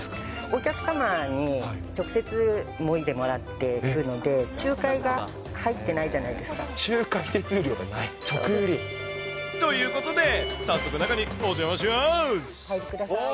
お客様に直接もいでもらっているので、仲介が入ってないじゃ仲介手数料がない。ということで、早速、中におお入りください。